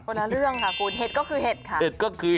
ละเรื่องค่ะคุณเห็ดก็คือเห็ดค่ะเห็ดก็คือ